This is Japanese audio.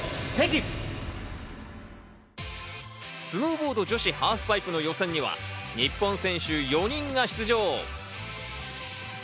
スノーボード女子ハーフパイプの予選には日本選手４人が出場。